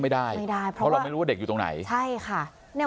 ไม่ได้ไม่ได้เพราะเราไม่รู้ว่าเด็กอยู่ตรงไหนใช่ค่ะเนี่ย